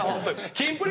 キンプリ